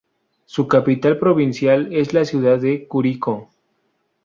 Su capital provincial es la ciudad de Curicó.